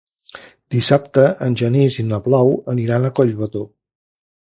Dissabte en Genís i na Blau aniran a Collbató.